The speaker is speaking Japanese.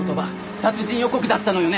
殺人予告だったのよね？